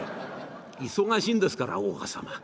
忙しいんですから大岡様。